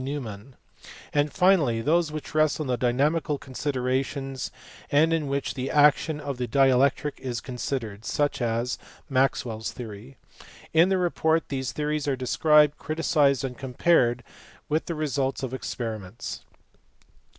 Neumann) ; and finally those which rest on dynamical considerations and in which the action of the dielectric is considered (such as Maxwell s theory). In the report these theories are described, criticized, and compared with the results of experiments.